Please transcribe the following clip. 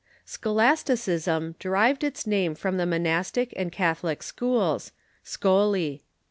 ] Scholasticism derived its name from the monastic and catholic schools — scholae.